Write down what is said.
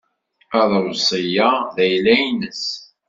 Aḍebsi-a d ayla-nnes.